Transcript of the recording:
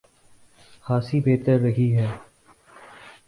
خاصی بہتر رہی ہے۔